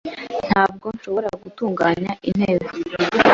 Ntabwo nshobora gutunganya intebe .